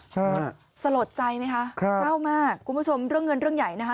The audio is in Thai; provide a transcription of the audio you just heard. ฮะสลดใจไหมคะครับเศร้ามากคุณผู้ชมเรื่องเงินเรื่องใหญ่นะคะ